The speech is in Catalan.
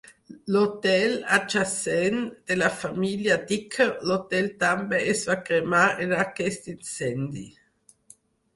L'hotel adjacent de la família Dicker l'hotel també es va cremar en aquest incendi.